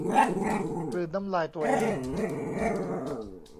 กลืนน้ำลายตัวเอง